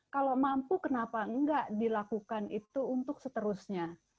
kalau mampu kenapa enggak dilakukan itu untuk seterusnya